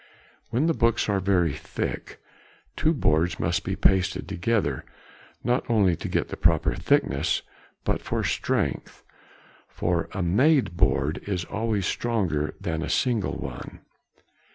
When the books are very thick, two boards must be pasted together, not only to get the proper thickness, but for strength, for a made board is always stronger than a single one.